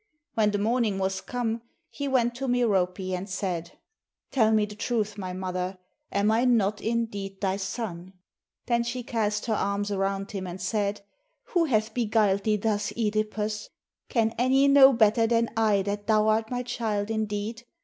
When the morning was come, he went to Merope and said, " Tell me the truth, my mother; am I not indeed thy son? " Then she cast her arms aroimd him and said, "Who hath beguiled thee thus, CEdipus? Can any know better than I that thou art my child indeed?